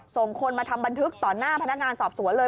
ส่งคนมาทำบันทึกต่อหน้าพนักงานสอบสวนเลย